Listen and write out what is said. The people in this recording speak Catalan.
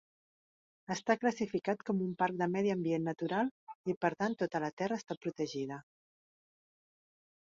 Està classificat com un parc de medi ambient natural i per tant tota la terra està protegida.